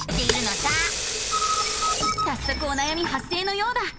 さっそくおなやみ発生のようだ。